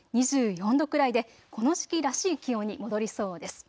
２４度くらいで、この時期らしい気温に戻りそうです。